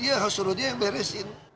iya suruh dia yang beresin